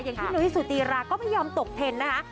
อย่างที่นวิสุธีราก็ไม่ยอมตกเท็นนะคะ